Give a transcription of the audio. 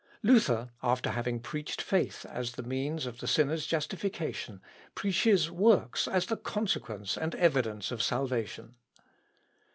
Luther, after having preached faith as the means of the sinner's justification, preaches works as the consequence and evidence of salvation.